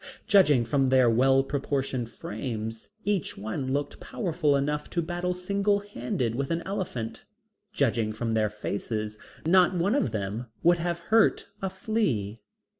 Judging from their well proportioned frames, each one looked powerful enough to battle single handed with an elephant. Judging from their faces not one of them would have hurt a flea.